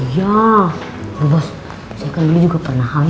ya bos saya kan juga pernah hal ya bu